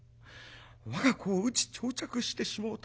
我が子を打ち打擲してしもうた。